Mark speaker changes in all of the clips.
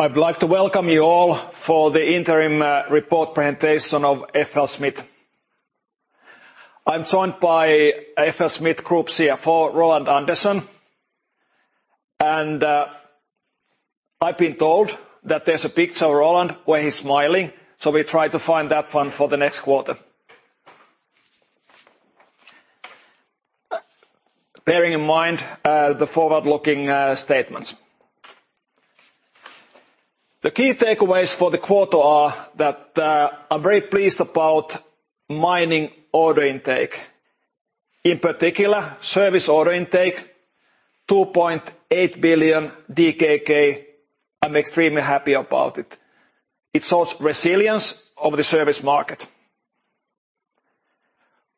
Speaker 1: I'd like to welcome you all for the interim report presentation of FLSmidth. I'm joined by FLSmidth Group CFO, Roland Andersen, and I've been told that there's a picture of Roland where he's smiling, so we try to find that one for the next quarter. Bearing in mind the forward-looking statements. The key takeaways for the quarter are that I'm very pleased about mining order intake. In particular, service order intake, 2.8 billion DKK, I'm extremely happy about it. It shows resilience of the service market.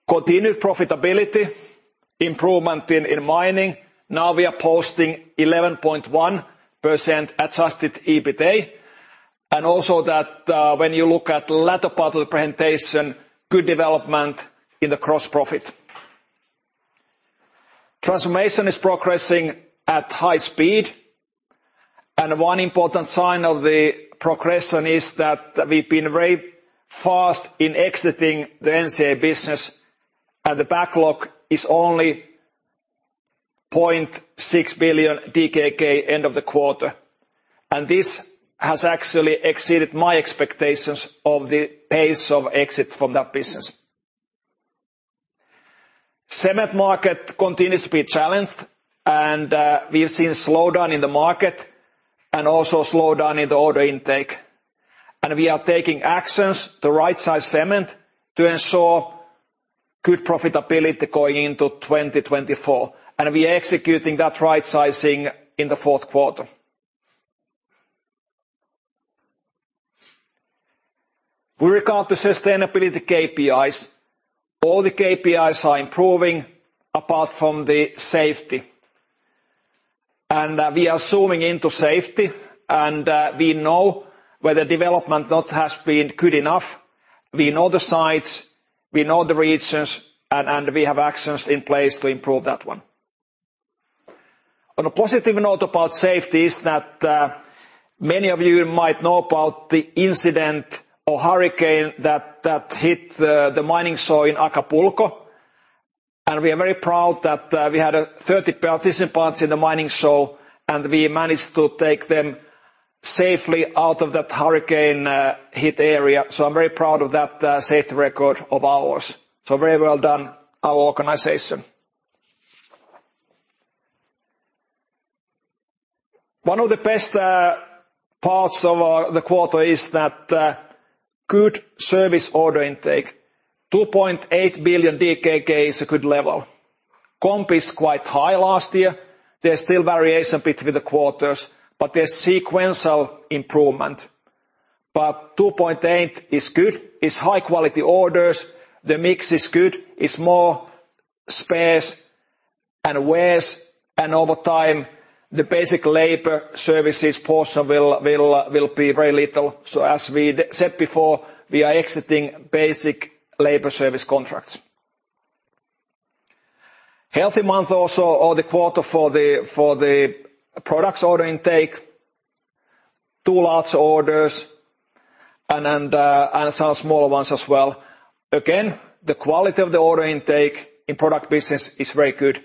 Speaker 1: Continued profitability, improvement in mining. Now we are posting 11.1% adjusted EBITDA, and also that when you look at the latter part of the presentation, good development in the gross profit. Transformation is progressing at high speed, and one important sign of the progression is that we've been very fast in exiting the NCA business, and the backlog is only 0.6 billion DKK end of the quarter. This has actually exceeded my expectations of the pace of exit from that business. Cement market continues to be challenged, and we have seen a slowdown in the market and also a slowdown in the order intake. We are taking actions to rightsize cement to ensure good profitability going into 2024, and we are executing that rightsizing in the fourth quarter. We regard the sustainability KPIs. All the KPIs are improving apart from the safety, and we are zooming into safety, and we know where the development not has been good enough. We know the sites, we know the regions, and we have actions in place to improve that one. On a positive note about safety is that many of you might know about the incident or hurricane that hit the mining show in Acapulco, and we are very proud that we had 30 participants in the mining show, and we managed to take them safely out of that hurricane hit area. So I'm very proud of that safety record of ours. So very well done, our organization. One of the best parts of our... the quarter is that good service order intake, 2.8 billion DKK is a good level. Comp is quite high last year. There's still variation between the quarters, but there's sequential improvement. But 2.8 is good, it's high-quality orders, the mix is good, it's more spares and wares, and over time, the basic labor services portion will be very little. So as we said before, we are exiting basic labor service contracts. Healthy month also, or the quarter for the, for the products order intake, 2 large orders, and some smaller ones as well. Again, the quality of the order intake in product business is very good.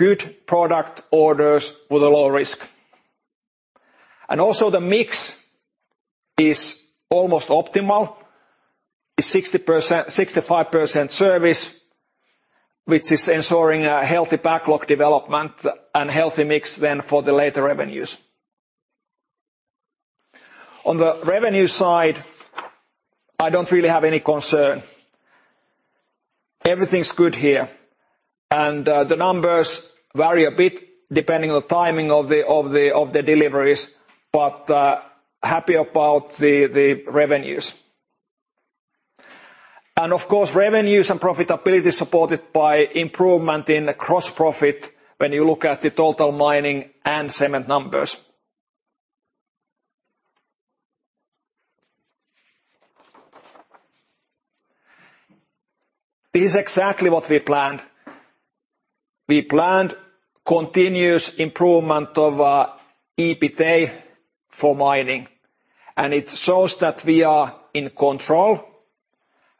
Speaker 1: Good product orders with a low risk. And also the mix is almost optimal. It's 60%... 65% service, which is ensuring a healthy backlog development and healthy mix then for the later revenues. On the revenue side, I don't really have any concern. Everything's good here, and the numbers vary a bit depending on the timing of the deliveries, but happy about the revenues. And of course, revenues and profitability supported by improvement in the gross profit when you look at the total mining and cement numbers. This is exactly what we planned. We planned continuous improvement of EBITDA for mining, and it shows that we are in control,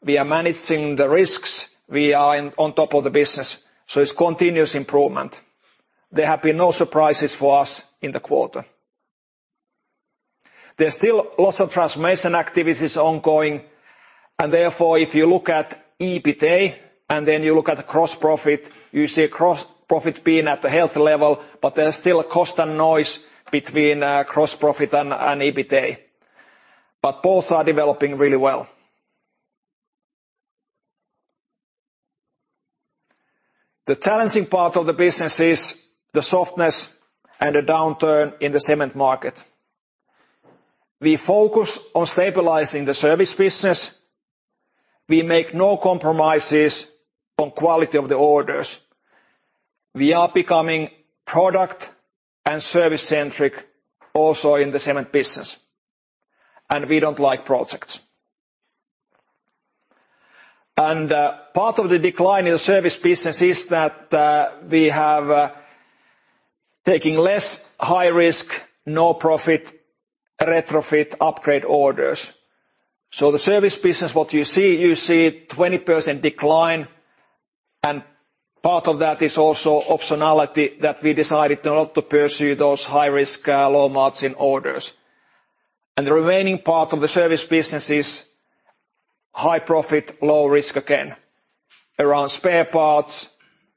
Speaker 1: we are managing the risks, we are on top of the business, so it's continuous improvement. There have been no surprises for us in the quarter. There's still lots of transformation activities ongoing, and therefore, if you look at EBITDA, and then you look at the gross profit, you see a gross profit being at a healthy level, but there's still costs and noise between gross profit and EBITDA. But both are developing really well. The challenging part of the business is the softness and the downturn in the cement market. We focus on stabilizing the service business. We make no compromises on quality of the orders. We are becoming product and service-centric also in the cement business, and we don't like projects.... And, part of the decline in the service business is that, we have taking less high risk, no profit, retrofit, upgrade orders. So the service business, what you see, you see 20% decline, and part of that is also optionality, that we decided not to pursue those high risk, low margin orders. And the remaining part of the service business is high profit, low risk, again, around spare parts,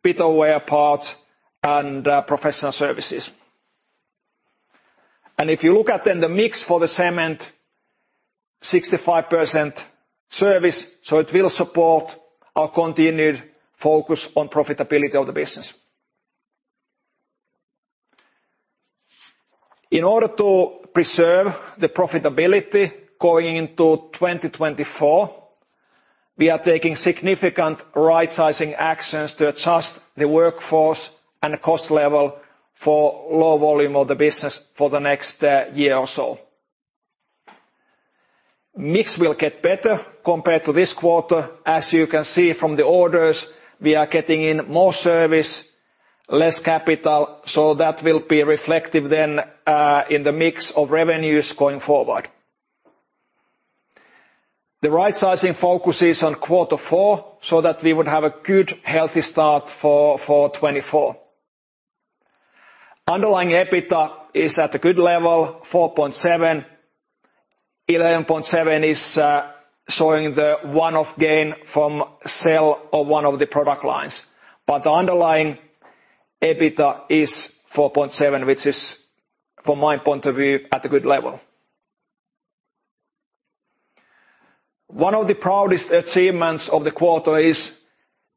Speaker 1: wear parts, and, professional services. And if you look at then the mix for the cement, 65% service, so it will support our continued focus on profitability of the business. In order to preserve the profitability going into 2024, we are taking significant right-sizing actions to adjust the workforce and the cost level for low volume of the business for the next, year or so. Mix will get better compared to this quarter. As you can see from the orders, we are getting in more service, less capital, so that will be reflective then, in the mix of revenues going forward. The right sizing focus is on quarter four, so that we would have a good, healthy start for 2024. Underlying EBITDA is at a good level, 4.7. 11.7 is showing the one-off gain from sale of one of the product lines. But the underlying EBITDA is 4.7, which is, from my point of view, at a good level. One of the proudest achievements of the quarter is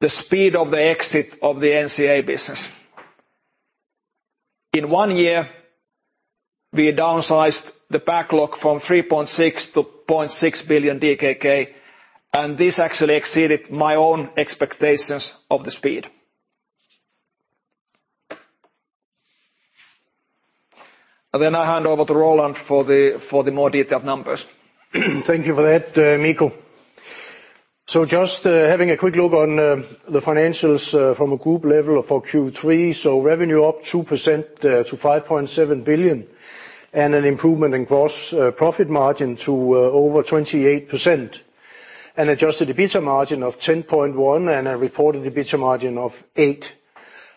Speaker 1: the speed of the exit of the NCA business. In one year, we downsized the backlog from 3.6 billion to 0.6 billion DKK, and this actually exceeded my own expectations of the speed. And then I hand over to Roland for the, for the more detailed numbers.
Speaker 2: Thank you for that, Mikko. So just having a quick look on the financials from a group level for Q3. So revenue up 2% to 5.7 billion, and an improvement in gross profit margin to over 28%. An adjusted EBITDA margin of 10.1%, and a reported EBITDA margin of 8%.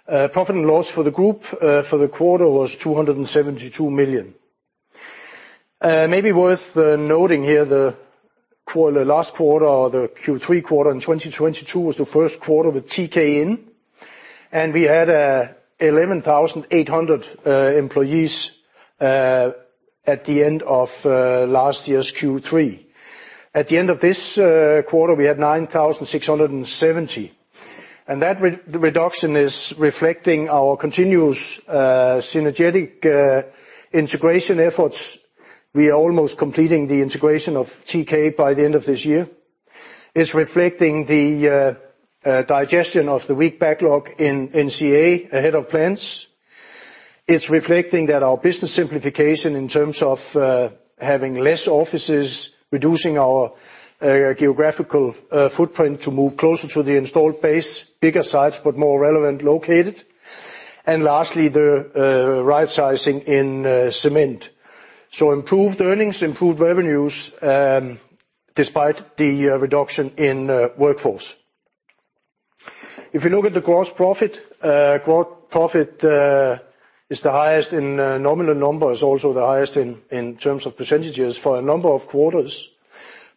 Speaker 2: Profit and loss for the group for the quarter was 272 million. Maybe worth noting here, the quarter, last quarter or the Q3 quarter in 2022, was the first quarter with TK in, and we had 11,800 employees at the end of last year's Q3. At the end of this quarter, we had 9,670, and that reduction is reflecting our continuous synergetic integration efforts. We are almost completing the integration of TK by the end of this year. It's reflecting the digestion of the weak backlog in NCA ahead of plans. It's reflecting that our business simplification in terms of having less offices, reducing our geographical footprint to move closer to the installed base, bigger sites, but more relevant located, and lastly, the right sizing in cement. So improved earnings, improved revenues, despite the reduction in workforce. If you look at the gross profit, gross profit is the highest in nominal numbers, also the highest in terms of percentages for a number of quarters.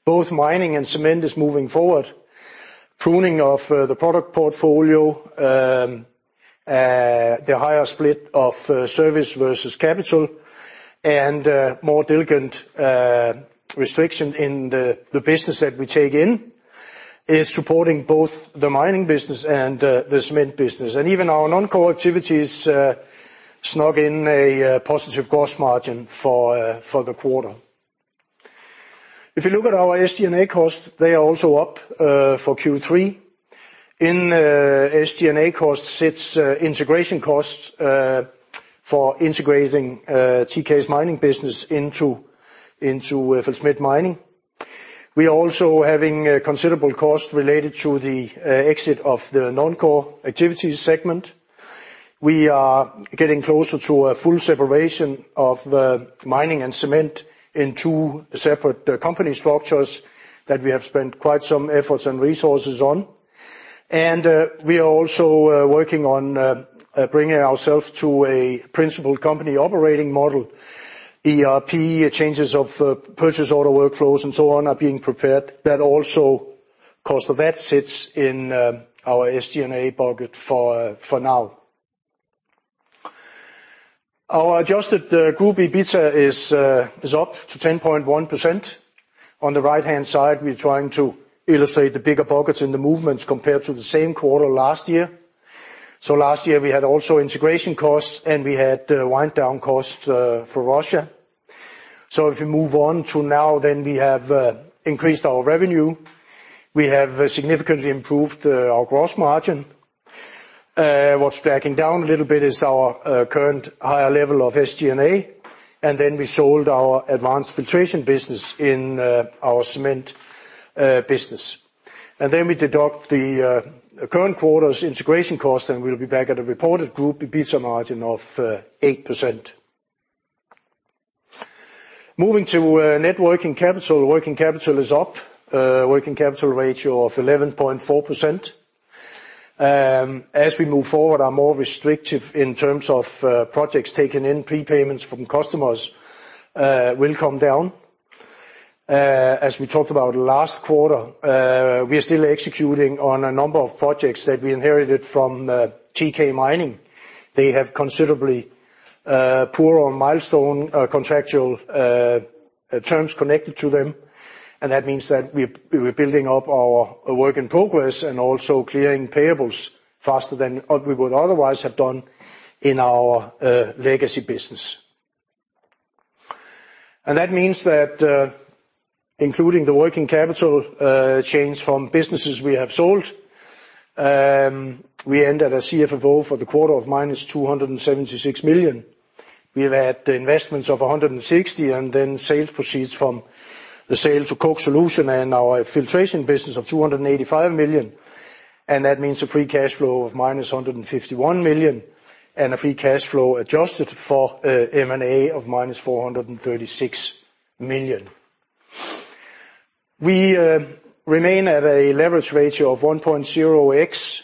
Speaker 2: Both mining and cement is moving forward. Pruning of the product portfolio, the higher split of service versus capital, and more diligent restriction in the business that we take in, is supporting both the mining business and the cement business. And even our non-core activities, showing a positive gross margin for the quarter. If you look at our SG&A costs, they are also up for Q3. In SG&A costs sit integration costs for integrating TK's mining business into FLSmidth Mining. We are also having a considerable cost related to the exit of the non-core activities segment. We are getting closer to a full separation of mining and cement in two separate company structures that we have spent quite some efforts and resources on. We are also working on bringing ourselves to a principal company operating model. ERP changes of purchase order workflows, and so on, are being prepared. That also, cost of that, sits in our SG&A budget for now. Our adjusted group EBITDA is up to 10.1%. On the right-hand side, we're trying to illustrate the bigger pockets in the movements compared to the same quarter last year. Last year we had also integration costs, and we had wind down costs for Russia. If you move on to now, then we have increased our revenue. We have significantly improved our gross margin. What's dragging down a little bit is our current higher level of SG&A, and then we sold our Advanced Filtration business in our cement business. And then we deduct the current quarter's integration cost, and we'll be back at a reported group EBITDA margin of 8%. Moving to net working capital. Working capital is up, working capital ratio of 11.4%. As we move forward, are more restrictive in terms of projects taken in, prepayments from customers will come down. As we talked about last quarter, we are still executing on a number of projects that we inherited from TK Mining. They have considerably poor on milestone contractual terms connected to them, and that means that we're building up our work in progress and also clearing payables faster than we would otherwise have done in our legacy business. That means that, including the working capital change from businesses we have sold, we end at a CFFO for the quarter of -276 million. We've had investments of 160 million, and then sales proceeds from the sale Koch Solutions and our filtration business of 285 million, and that means a free cash flow of -151 million, and a free cash flow adjusted for M&A of -436 million. We remain at a leverage ratio of 1.0x,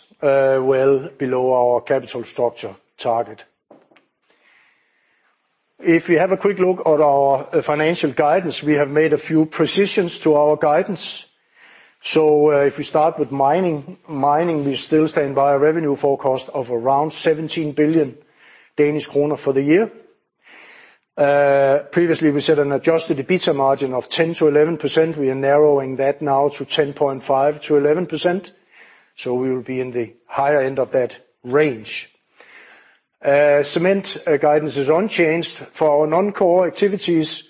Speaker 2: well below our capital structure target. If we have a quick look at our financial guidance, we have made a few precisions to our guidance. If we start with mining, we still stand by a revenue forecast of around 17 billion Danish kroner for the year. Previously, we set an adjusted EBITDA margin of 10%-11%. We are narrowing that now to 10.5%-11%, so we will be in the higher end of that range. Cement guidance is unchanged. For our non-core activities,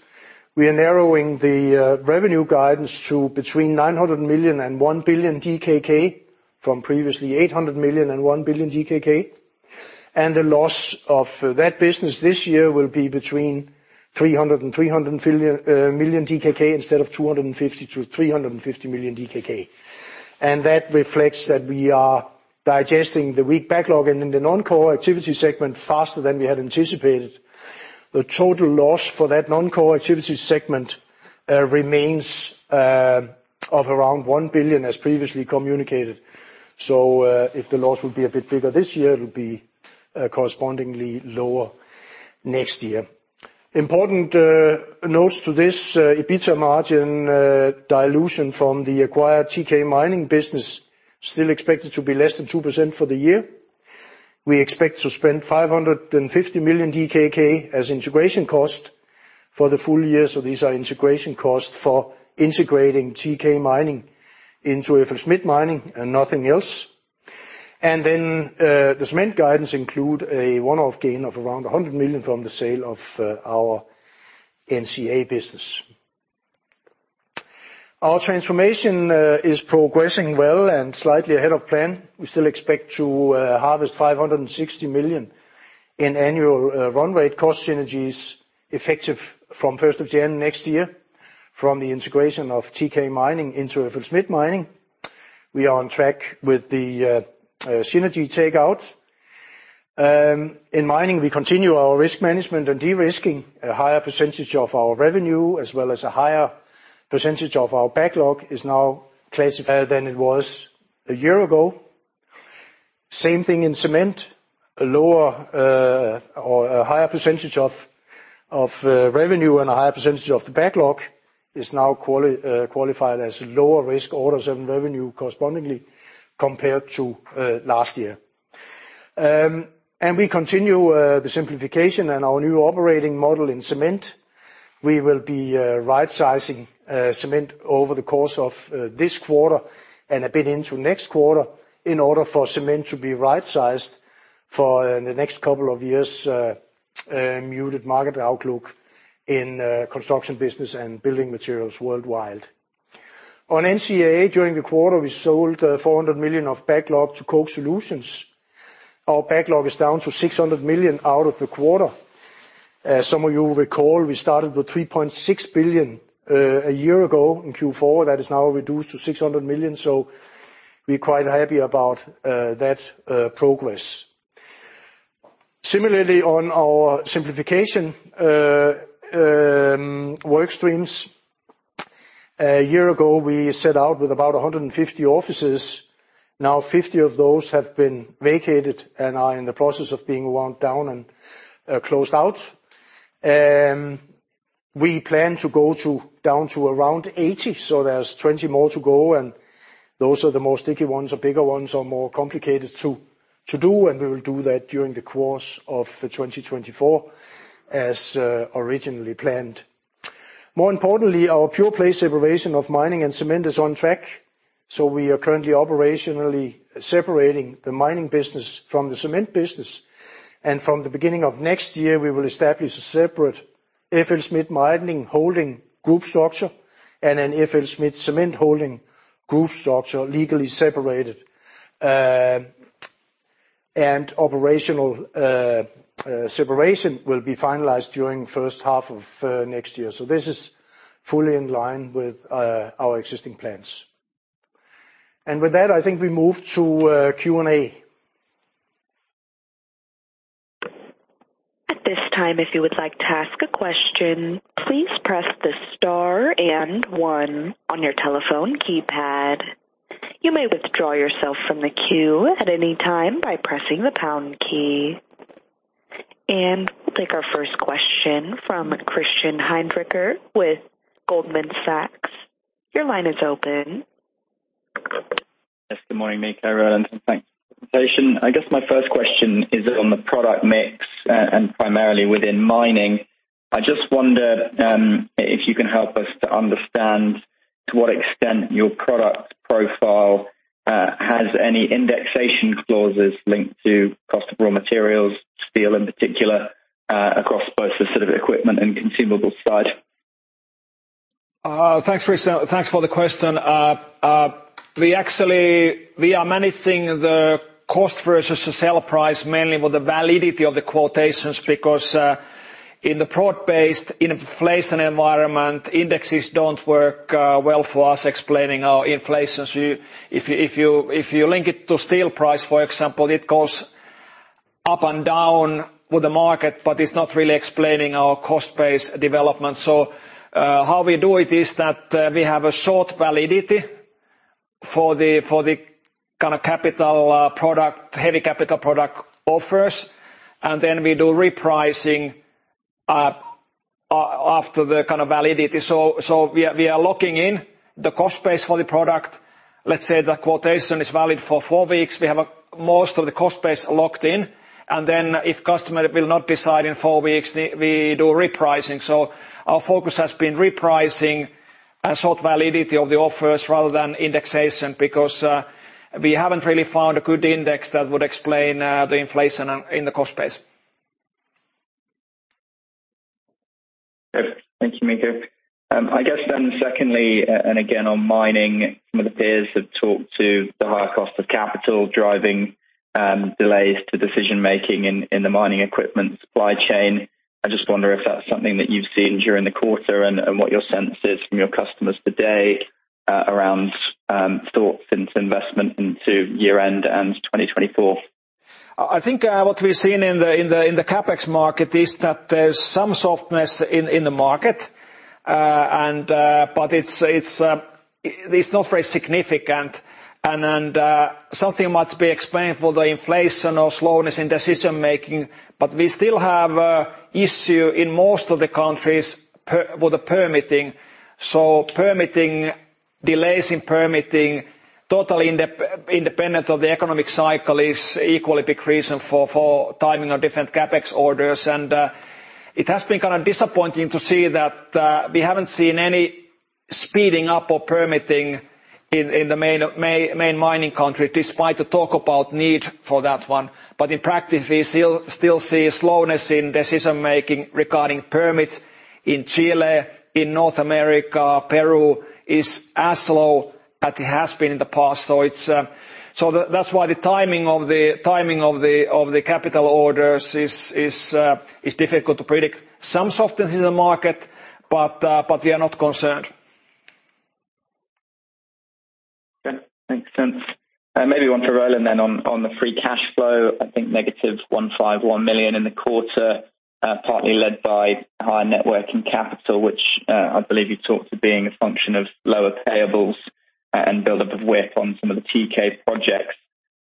Speaker 2: we are narrowing the revenue guidance to between 900 million and 1 billion DKK, from previously 800 million and 1 billion DKK. And the loss of that business this year will be between 300 million DKK and DKK 300 million, instead of 250 million-350 million DKK. And that reflects that we are digesting the weak backlog and in the non-core activity segment faster than we had anticipated. The total loss for that non-core activity segment remains of around 1 billion, as previously communicated. So, if the loss will be a bit bigger this year, it'll be correspondingly lower next year. Important notes to this EBITDA margin dilution from the acquired TK Mining business still expected to be less than 2% for the year. We expect to spend 550 million DKK as integration cost for the full year, so these are integration costs for integrating TK Mining into FLSmidth Mining and nothing else. And then, the cement guidance include a one-off gain of around 100 million from the sale of our NCA business. Our transformation is progressing well and slightly ahead of plan. We still expect to harvest 560 million in annual runway cost synergies, effective from first of January next year, from the integration of TK Mining into FLSmidth Mining. We are on track with the synergy take out. In mining, we continue our risk management and de-risking. A higher percentage of our revenue, as well as a higher percentage of our backlog, is now classified than it was a year ago. Same thing in cement, a higher percentage of revenue and a higher percentage of the backlog is now qualified as lower risk orders and revenue correspondingly, compared to last year. We continue the simplification and our new operating model in cement. We will be right sizing cement over the course of this quarter and a bit into next quarter, in order for cement to be right sized for in the next couple of years muted market outlook in construction business and building materials worldwide. On NCA, during the quarter, we sold 400 million of backlog Koch Solutions. our backlog is down to 600 million out of the quarter. As some of you will recall, we started with 3.6 billion a year ago in Q4. That is now reduced to 600 million, so we're quite happy about that progress. Similarly, on our simplification work streams, a year ago, we set out with about 150 offices. Now, 50 of those have been vacated and are in the process of being wound down and closed out. We plan to go down to around 80, so there's 20 more to go, and those are the more sticky ones, or bigger ones, or more complicated to do, and we will do that during the course of 2024, as originally planned. More importantly, our pure play separation of mining and cement is on track, so we are currently operationally separating the mining business from the cement business. And from the beginning of next year, we will establish a separate-... FLSmidth Mining holding group structure, and an FLSmidth Cement holding group structure legally separated. And operational separation will be finalized during first half of next year. So this is fully in line with our existing plans. And with that, I think we move to Q&A.
Speaker 3: At this time, if you would like to ask a question, please press the star and one on your telephone keypad. You may withdraw yourself from the queue at any time by pressing the pound key. We'll take our first question from Christian Hinderaker with Goldman Sachs. Your line is open.
Speaker 4: Yes, good morning, Mikko and Roland. Thanks. I guess my first question is on the product mix, and primarily within mining. I just wondered, if you can help us to understand to what extent your product profile, has any indexation clauses linked to cost of raw materials, steel in particular, across both the sort of equipment and consumable side?
Speaker 1: Thanks for the question. We actually are managing the cost versus the sale price, mainly with the validity of the quotations, because in the broad-based inflation environment, indexes don't work well for us, explaining our inflation. So if you link it to steel price, for example, it goes up and down with the market, but it's not really explaining our cost base development. So how we do it is that we have a short validity for the kind of capital product, heavy capital product offers, and then we do repricing after the kind of validity. So we are locking in the cost base for the product. Let's say the quotation is valid for four weeks. We have most of the cost base locked in, and then if customer will not decide in four weeks, we do repricing. So our focus has been repricing and short validity of the offers rather than indexation, because we haven't really found a good index that would explain the inflation in the cost base.
Speaker 4: Good. Thank you, Mikko. I guess then secondly, and again, on mining, some of the peers have talked to the higher cost of capital, driving delays to decision making in the mining equipment supply chain. I just wonder if that's something that you've seen during the quarter, and what your sense is from your customers today, around thoughts into investment into year-end and 2024?
Speaker 1: I think what we've seen in the CapEx market is that there's some softness in the market, but it's not very significant. And something might be explained for the inflation or slowness in decision making, but we still have issue in most of the countries with the permitting. So permitting delays in permitting, totally independent of the economic cycle, is equally big reason for timing of different CapEx orders. And it has been kind of disappointing to see that we haven't seen any speeding up of permitting in the main mining country, despite the talk about need for that one. But in practice, we still see slowness in decision making regarding permits in Chile, in North America. Peru is as slow as it has been in the past. So that's why the timing of the capital orders is difficult to predict. Some softness in the market, but we are not concerned.
Speaker 4: Okay. Makes sense. Maybe one for Roland then, on the free cash flow, I think -151 million in the quarter, partly led by higher working capital, which I believe you talked to being a function of lower payables and buildup of WIP on some of the TK projects.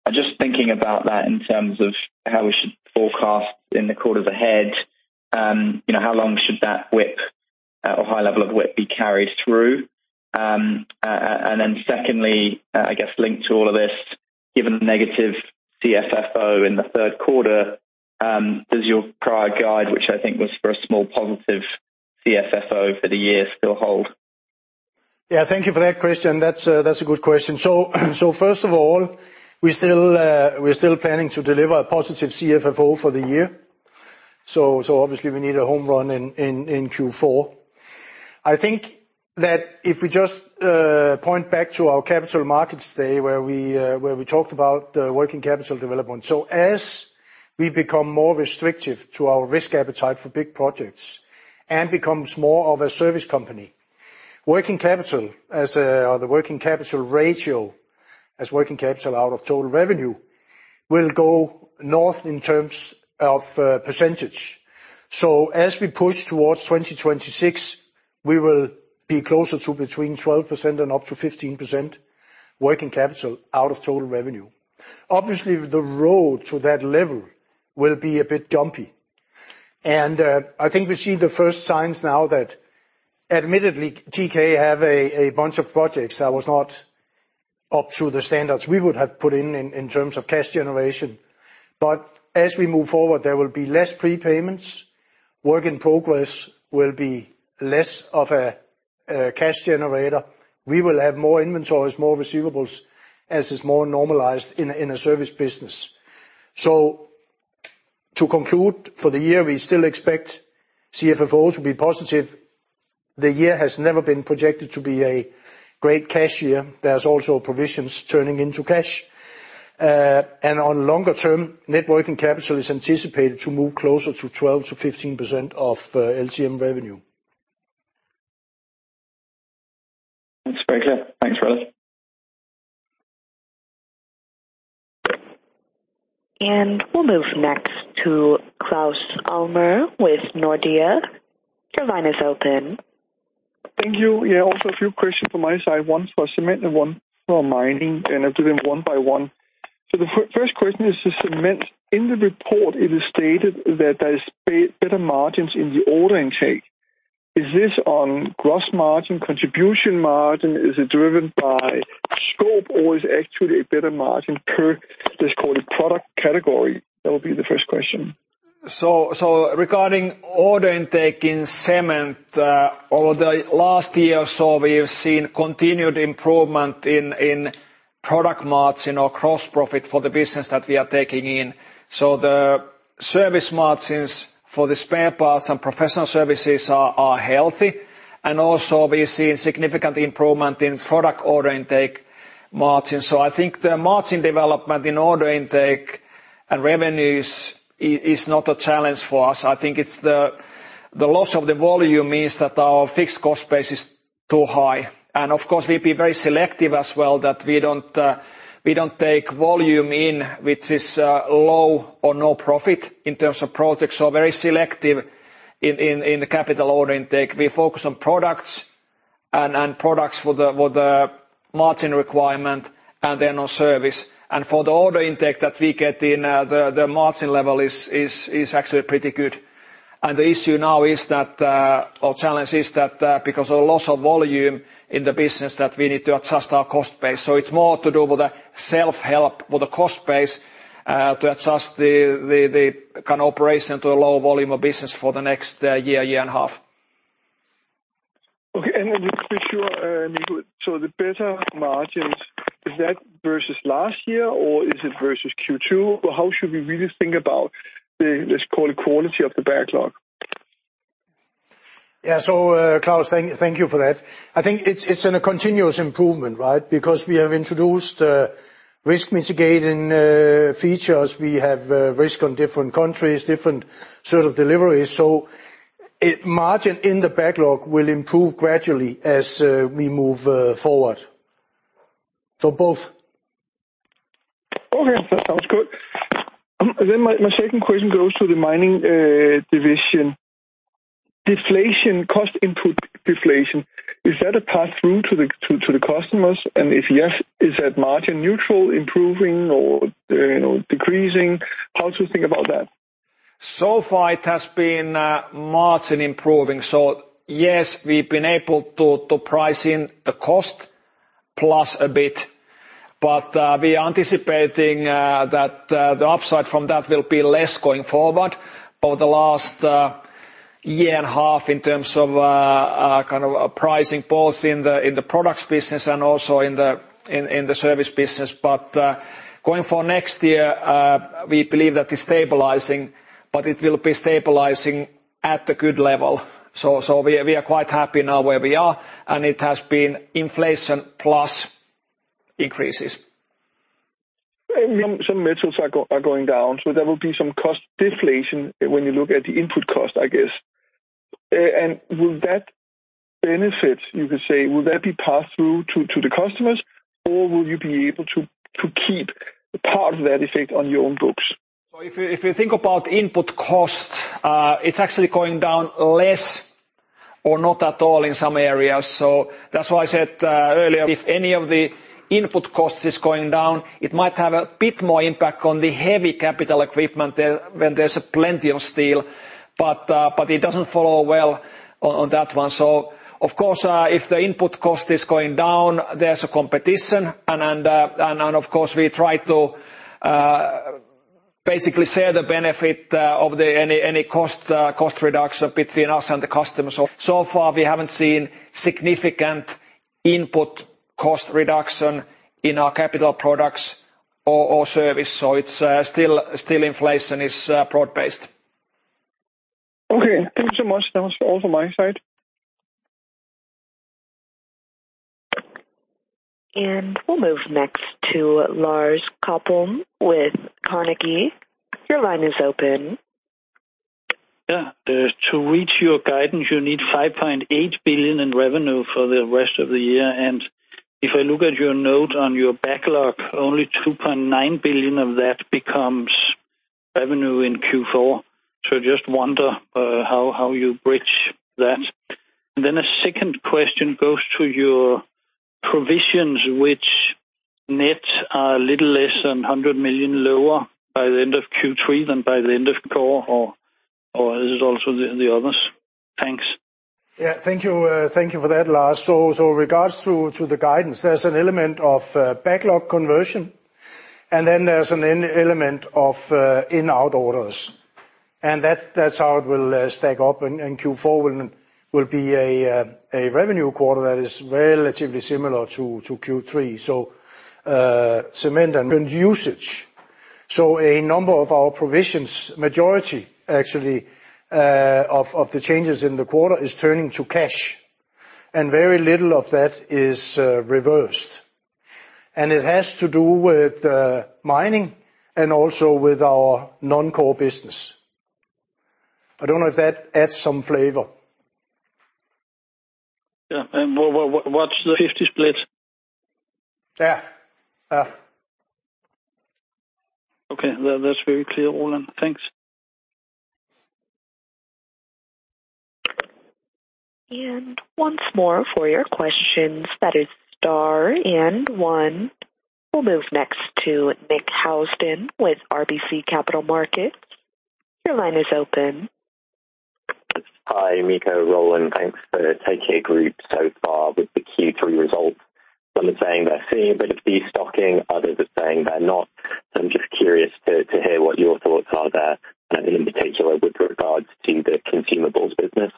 Speaker 4: I'm just thinking about that in terms of how we should forecast in the quarter ahead. You know, how long should that WIP or high level of WIP be carried through? And then secondly, I guess linked to all of this, given the negative CFFO in the third quarter, does your prior guide, which I think was for a small positive CFFO for the year, still hold?
Speaker 2: Yeah, thank you for that question. That's a good question. So first of all, we're still planning to deliver a positive CFFO for the year. So obviously we need a home run in Q4. I think that if we just point back to our capital markets day, where we talked about the working capital development. So as we become more restrictive to our risk appetite for big projects and becomes more of a service company, working capital as the working capital ratio, as working capital out of total revenue, will go north in terms of percentage. So as we push towards 2026, we will be closer to between 12% and up to 15% working capital out of total revenue. Obviously, the road to that level will be a bit bumpy, and I think we see the first signs now that admittedly, TK have a bunch of projects that was not up to the standards we would have put in terms of cash generation. But as we move forward, there will be less prepayments. Work in progress will be less of a cash generator, we will have more inventories, more receivables, as is more normalized in a service business. So to conclude for the year, we still expect CFFO to be positive. The year has never been projected to be a great cash year. There's also provisions turning into cash. And on longer term, net working capital is anticipated to move closer to 12%-15% of LTM revenue.
Speaker 4: That's very clear. Thanks for that.
Speaker 3: We'll move next to Claus Almer with Nordea. Your line is open.
Speaker 5: Thank you. Yeah, also a few questions from my side, one for cement and one for mining, and I'll do them one by one. So the first question is the cement. In the report, it is stated that there is better margins in the order intake. Is this on gross margin, contribution margin? Is it driven by scope, or is actually a better margin per, let's call it, product category? That would be the first question.
Speaker 1: So, regarding order intake in cement, over the last year or so, we have seen continued improvement in product margin or gross profit for the business that we are taking in. So the service margins for the spare parts and professional services are healthy, and also we've seen significant improvement in product order intake margin. So I think the margin development in order intake and revenues is not a challenge for us. I think it's the loss of the volume means that our fixed cost base is too high. And of course, we be very selective as well, that we don't take volume in, which is low or no profit in terms of projects. So very selective in the capital order intake. We focus on products and products for the margin requirement, and then on service. For the order intake that we get in, the margin level is actually pretty good. The issue now is that, or challenge is that, because of the loss of volume in the business, we need to adjust our cost base. So it's more to do with the self-help, with the cost base, to adjust the kind of operation to a lower volume of business for the next year and a half.
Speaker 5: Okay, and then just to be sure, Nick, so the better margins, is that versus last year, or is it versus Q2? Or how should we really think about the, let's call it, quality of the backlog?
Speaker 2: Yeah. So, Claus, thank you for that. I think it's in a continuous improvement, right? Because we have introduced risk mitigating features. We have risk on different countries, different sort of deliveries. So margin in the backlog will improve gradually as we move forward. So both.
Speaker 5: Okay, that sounds good. Then my second question goes to the mining division. Deflation, cost input deflation, is that a pass-through to the customers? And if yes, is that margin neutral, improving or, you know, decreasing? How to think about that?
Speaker 1: So far it has been margin improving. So yes, we've been able to price in the cost plus a bit, but we are anticipating that the upside from that will be less going forward over the last year and a half in terms of kind of pricing, both in the products business and also in the service business. But going for next year, we believe that it's stabilizing, but it will be stabilizing at a good level. So we are quite happy now where we are, and it has been inflation plus increases.
Speaker 5: Some metals are going down, so there will be some cost deflation when you look at the input cost, I guess. Will that benefit, you could say, will that be passed through to the customers, or will you be able to keep part of that effect on your own books?
Speaker 1: So if you think about input cost, it's actually going down less or not at all in some areas. So that's why I said earlier, if any of the input costs is going down, it might have a bit more impact on the heavy capital equipment there, when there's plenty of steel, but it doesn't follow well on that one. So of course, if the input cost is going down, there's a competition, and of course, we try to basically share the benefit of any cost reduction between us and the customer. So far, we haven't seen significant input cost reduction in our capital products or service. So it's still inflation is broad-based.
Speaker 5: Okay, thank you so much. That was all from my side.
Speaker 3: We'll move next to Lars Topholm with Carnegie. Your line is open.
Speaker 6: Yeah. To reach your guidance, you need 5.8 billion in revenue for the rest of the year. And if I look at your note on your backlog, only 2.9 billion of that becomes revenue in Q4. So just wonder, how, how you bridge that. And then a second question goes to your provisions, which net are a little less than 100 million lower by the end of Q3 than by the end of Q2, or, or is it also the, the others? Thanks.
Speaker 1: Yeah, thank you. Thank you for that, Lars. So, regards to the guidance, there's an element of backlog conversion.... And then there's an element of inbound orders, and that's how it will stack up, and Q4 will be a revenue quarter that is relatively similar to Q3. So, cement and mining. So a number of our provisions, majority actually, of the changes in the quarter is turning to cash, and very little of that is reversed. And it has to do with mining and also with our non-core business. I don't know if that adds some flavor.
Speaker 6: Yeah, and what's the 50 split?
Speaker 1: Yeah. Uh.
Speaker 6: Okay, that, that's very clear, Roland. Thanks.
Speaker 3: Once more for your questions, that is star and one. We'll move next to Nick Housden with RBC Capital Markets. Your line is open.
Speaker 7: Hi, Mikko, Roland, thanks for taking us through so far with the Q3 results. Some are saying they're seeing a bit of destocking, others are saying they're not. I'm just curious to hear what your thoughts are there, and in particular, with regards to the consumables business.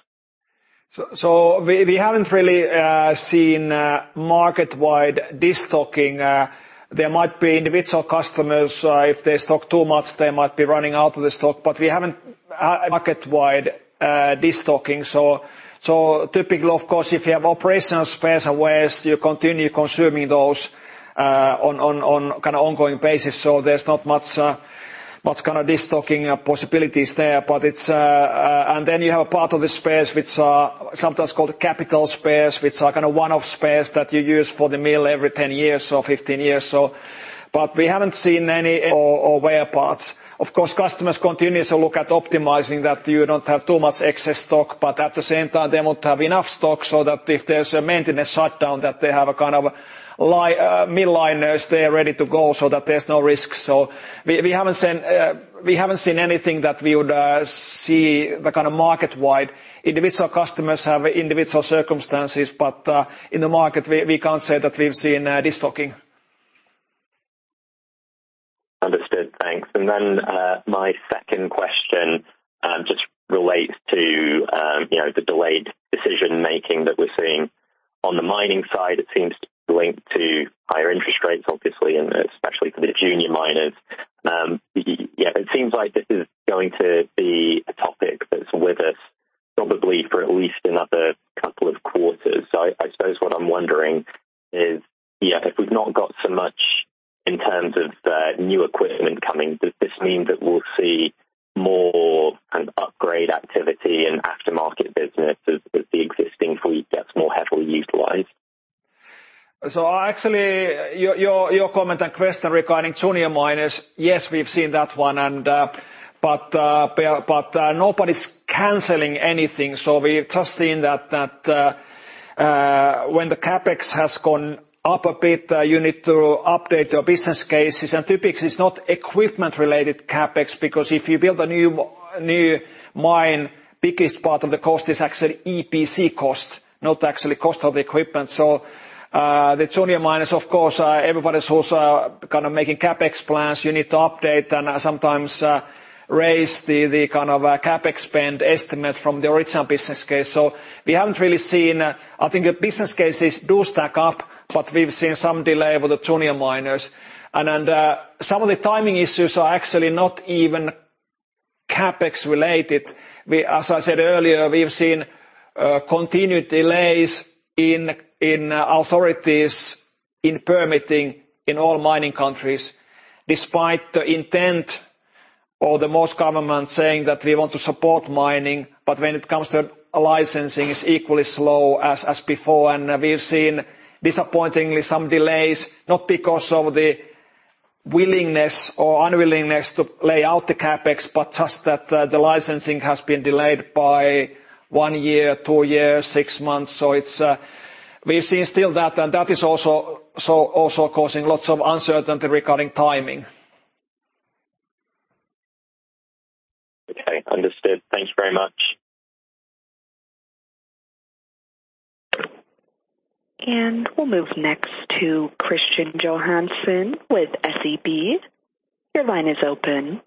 Speaker 1: We haven't really seen market-wide destocking. There might be individual customers if they stock too much, they might be running out of the stock, but we haven't market-wide destocking. So typical, of course, if you have operational spares and wears, you continue consuming those on kind of ongoing basis. So there's not much kind of destocking possibilities there. Then you have a part of the spares which are sometimes called capital spares, which are kind of one-off spares that you use for the mill every 10 years or 15 years or so. But we haven't seen any or wear parts. Of course, customers continue to look at optimizing that you don't have too much excess stock, but at the same time, they won't have enough stock so that if there's a maintenance shutdown, that they have a kind of a mill liners, they are ready to go so that there's no risk. So we, we haven't seen, we haven't seen anything that we would, see the kind of market-wide. Individual customers have individual circumstances, but, in the market, we, we can't say that we've seen, destocking.
Speaker 7: Understood. Thanks. And then, my second question just relates to, you know, the delayed decision-making that we're seeing on the mining side. It seems to be linked to higher interest rates, obviously, and especially for the junior miners. Yeah, it seems like this is going to be a topic that's with us probably for at least another couple of quarters. So I suppose what I'm wondering is, yeah, if we've not got so much in terms of new equipment coming, does this mean that we'll see more kind of upgrade activity in aftermarket business as the existing fleet gets more heavily utilized?
Speaker 1: So actually, your comment and question regarding junior miners, yes, we've seen that one, and, but, nobody's canceling anything. So we've just seen that when the CapEx has gone up a bit, you need to update your business cases. And typically, it's not equipment-related CapEx, because if you build a new mine, biggest part of the cost is actually EPC cost, not actually cost of the equipment. So, the junior miners, of course, everybody's also kind of making CapEx plans. You need to update and sometimes raise the kind of CapEx spend estimates from the original business case. So we haven't really seen... I think the business cases do stack up, but we've seen some delay with the junior miners. And some of the timing issues are actually not even CapEx related. As I said earlier, we've seen continued delays in authorities, in permitting in all mining countries, despite the intent or the most government saying that we want to support mining, but when it comes to licensing, it's equally slow as before. And we've seen, disappointingly some delays, not because of the willingness or unwillingness to lay out the CapEx, but just that the licensing has been delayed by one year, two years, six months. So it's we've seen still that, and that is also, so also causing lots of uncertainty regarding timing.
Speaker 7: Okay, understood. Thanks very much.
Speaker 3: We'll move next to Kristian Johansen with SEB. Your line is open.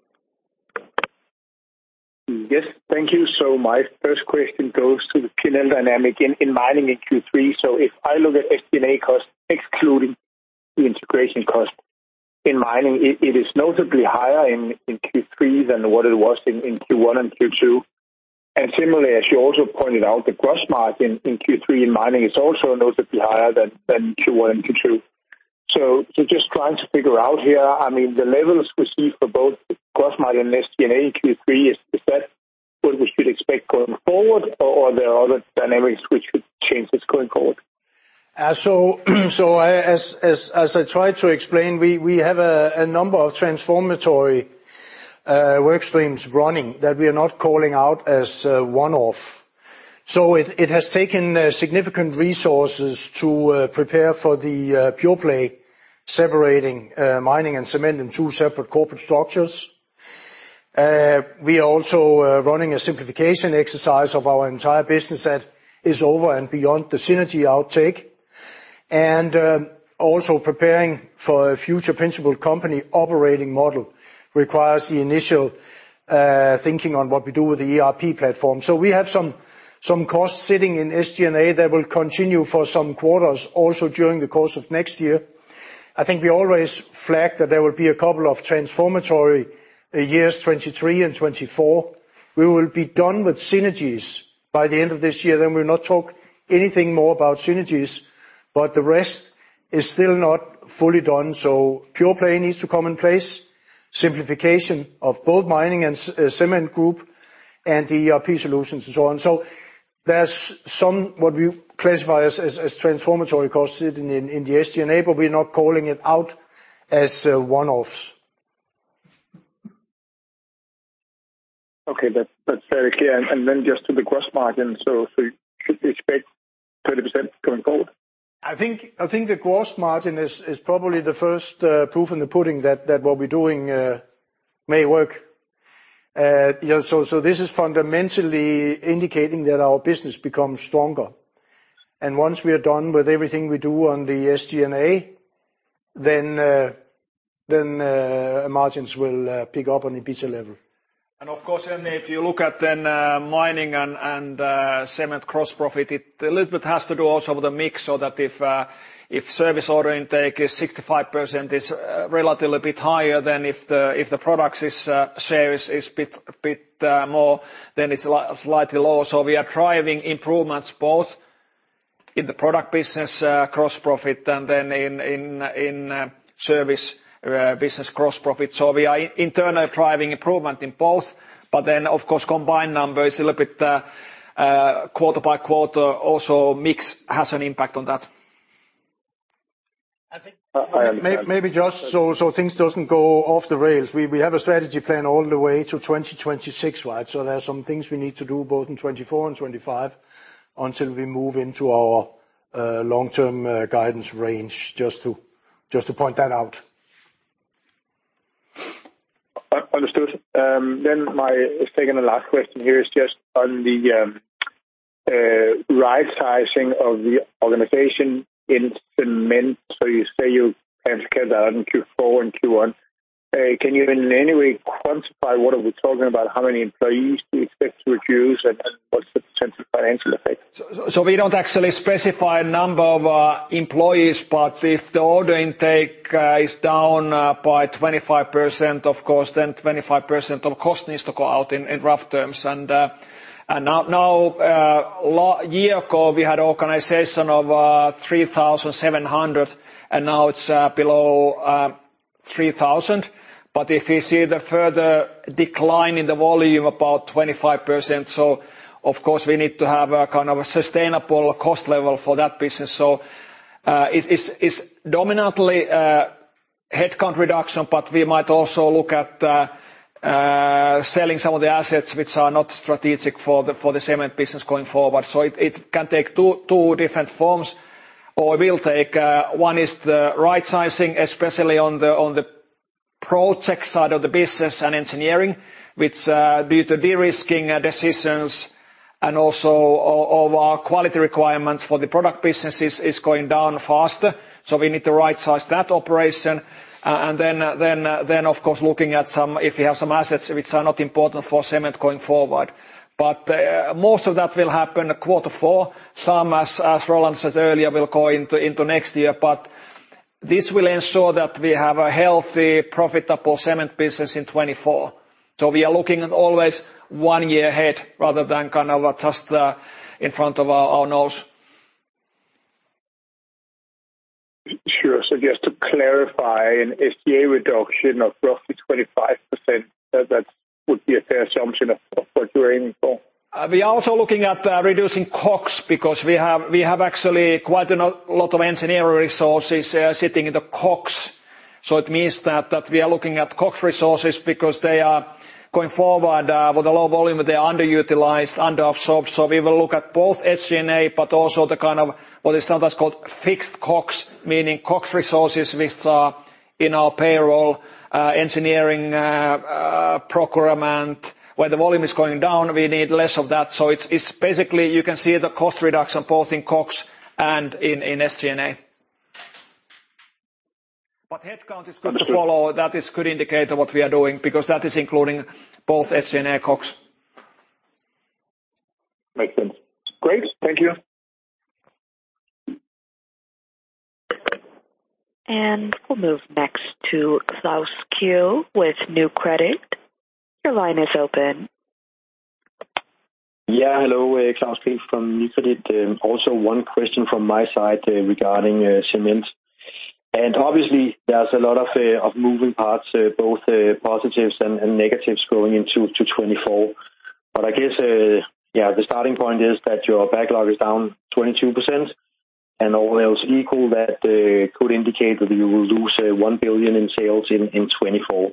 Speaker 8: Yes. Thank you. So my first question goes to the P&L dynamic in, in mining in Q3. So if I look at SG&A costs, excluding the integration cost in mining, it, it is notably higher in, in Q3 than what it was in, in Q1 and Q2. And similarly, as you also pointed out, the gross margin in Q3 in mining is also notably higher than, than Q1 and Q2. So, so just trying to figure out here, I mean, the levels we see for both gross margin and SG&A in Q3, is, is that what we should expect going forward or are there other dynamics which would change this going forward?
Speaker 2: So as I tried to explain, we have a number of transformatory work streams running that we are not calling out as one-off. So it has taken significant resources to prepare for the pure play, separating mining and cement in two separate corporate structures. We are also running a simplification exercise of our entire business that is over and beyond the synergy outtake. And also preparing for a future principal company operating model requires the initial thinking on what we do with the ERP platform. So we have some costs sitting in SG&A that will continue for some quarters, also during the course of next year. I think we always flagged that there will be a couple of transformatory years, 2023 and 2024. We will be done with synergies by the end of this year, then we'll not talk anything more about synergies, but the rest is still not fully done. So pure play needs to come in place, simplification of both mining and cement group and the ERP solutions, and so on. So there's some, what we classify as transformational costs sitting in the SG&A, but we're not calling it out as one-offs.
Speaker 8: Okay, that's very clear. And then just to the gross margin, so you should expect 30% going forward?
Speaker 2: I think the gross margin is probably the first proof in the pudding that what we're doing may work. You know, so this is fundamentally indicating that our business becomes stronger. And once we are done with everything we do on the SG&A, then margins will pick up on EBITDA level.
Speaker 1: Of course, if you look at mining and cement gross profit, it a little bit has to do also with the mix, so that if service order intake is 65%, is relatively a bit higher than if the products share is a bit more, then it's slightly lower. So we are driving improvements both in the product business gross profit, and then in service business gross profit. So we are internally driving improvement in both, but then, of course, combined numbers is a little bit quarter by quarter, also, mix has an impact on that.
Speaker 8: I think-
Speaker 2: Maybe, maybe just so things doesn't go off the rails. We have a strategy plan all the way to 2026, right? So there are some things we need to do both in 2024 and 2025, until we move into our long-term guidance range, just to point that out.
Speaker 8: Understood. Then my second and last question here is just on the right sizing of the organization in cement. So you say you can get that in Q4 and Q1. Can you in any way quantify what are we talking about, how many employees do you expect to reduce and what's the potential financial effect?
Speaker 1: So, we don't actually specify a number of employees, but if the order intake is down by 25%, of course, then 25% of cost needs to go out in rough terms. And now, a year ago, we had organization of 3,700, and now it's below 3,000. But if you see the further decline in the volume, about 25%, so of course, we need to have a kind of a sustainable cost level for that business. So, it's dominantly headcount reduction, but we might also look at selling some of the assets which are not strategic for the cement business going forward. So it can take two different forms, or it will take, one is the right sizing, especially on the project side of the business and engineering, which, due to de-risking decisions and also of our quality requirements for the product businesses, is going down faster. So we need to rightsize that operation. And then, of course, looking at some if we have some assets which are not important for cement going forward. But, most of that will happen quarter four. Some, as Roland said earlier, will go into next year, but this will ensure that we have a healthy, profitable cement business in 2024. So we are looking at always one year ahead rather than kind of just in front of our nose.
Speaker 8: Sure. So just to clarify, an SG&A reduction of roughly 25%, that would be a fair assumption of what you're aiming for?
Speaker 1: We are also looking at reducing COGS, because we have actually quite a lot of engineering resources sitting in the COGS. So it means that we are looking at COGS resources because they are going forward with a low volume, they are underutilized, under absorbed. So we will look at both SG&A, but also the kind of what is sometimes called fixed COGS, meaning COGS resources which are in our payroll, engineering, procurement. When the volume is going down, we need less of that. So it's basically you can see the cost reduction both in COGS and in SG&A. But headcount is good to follow. That is a good indicator of what we are doing, because that is including both SG&A and COGS.
Speaker 8: Makes sense. Great, thank you.
Speaker 3: We'll move next to Klaus Kehl with Nykredit. Your line is open.
Speaker 9: Yeah, hello, Klaus Kehl from Nykredit. Also one question from my side regarding cement. And obviously, there's a lot of moving parts, both positives and negatives going into 2024. But I guess, yeah, the starting point is that your backlog is down 22%, and all else equal, that could indicate that you will lose 1 billion in sales in 2024.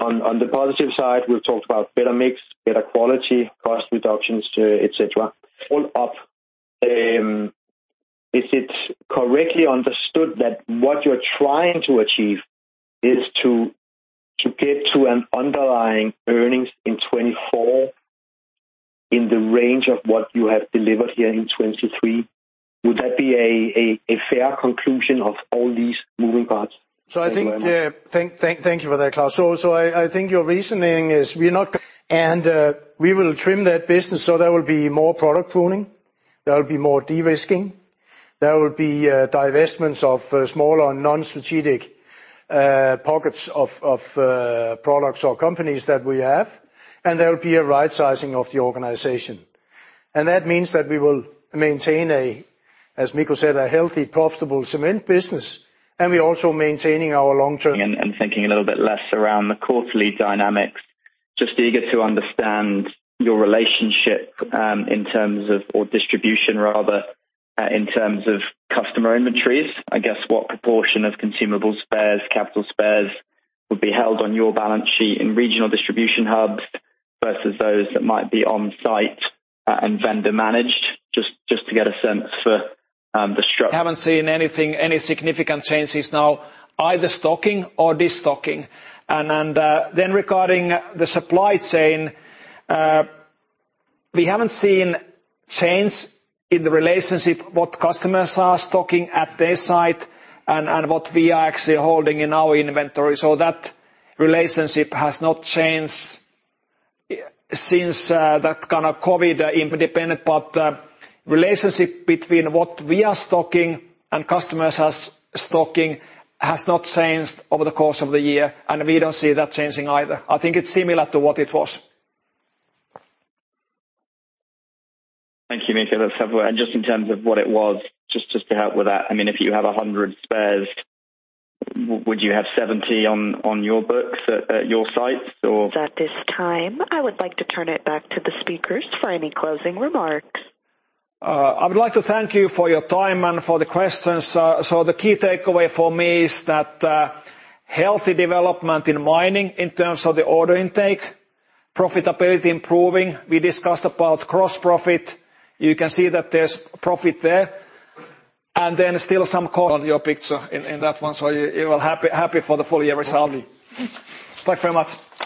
Speaker 9: On the positive side, we've talked about better mix, better quality, cost reductions, et cetera. All up,... Is it correctly understood that what you're trying to achieve is to get to an underlying earnings in 2024, in the range of what you have delivered here in 2023? Would that be a fair conclusion of all these moving parts?
Speaker 2: So I think, yeah, thank you for that, Klaus. So I think your reasoning is we're not and we will trim that business, so there will be more product pruning, there will be more de-risking, there will be divestments of smaller and non-strategic pockets of products or companies that we have, and there will be a right sizing of the organization. And that means that we will maintain a, as Mikko said, a healthy, profitable cement business, and we're also maintaining our long-term-
Speaker 9: thinking a little bit less around the quarterly dynamics. Just eager to understand your relationship in terms of distribution rather, in terms of customer inventories. I guess, what proportion of consumable spares, capital spares, would be held on your balance sheet in regional distribution hubs versus those that might be on site, and vendor managed? Just to get a sense for the structure.
Speaker 1: We haven't seen anything, any significant changes now, either stocking or destocking. Then, regarding the supply chain, we haven't seen change in the relationship, what customers are stocking at their site and what we are actually holding in our inventory. So that relationship has not changed since that kind of COVID independent. But relationship between what we are stocking and customers are stocking has not changed over the course of the year, and we don't see that changing either. I think it's similar to what it was.
Speaker 9: Thank you, Mikko. That's helpful. And just in terms of what it was, just to help with that, I mean, if you have 100 spares, would you have 70 on your books at your sites or?
Speaker 3: At this time, I would like to turn it back to the speakers for any closing remarks.
Speaker 1: I would like to thank you for your time and for the questions. So the key takeaway for me is that healthy development in mining in terms of the order intake, profitability improving. We discussed about gross profit. You can see that there's profit there, and then still some co- on your picture in that one. So you were happy for the full year result. Thank you very much.
Speaker 2: Thank you.